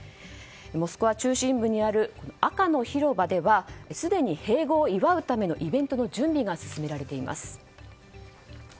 モスクワ中心部にある赤の広場ではすでに併合を祝うためのイベントの準備が進められています。